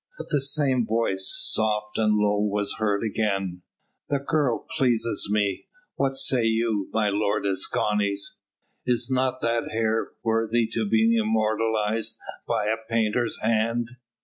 But the same voice, soft and low, was heard again: "The girl pleases me! What say you, my lord Escanes, is not that hair worthy to be immortalised by a painter's hand?"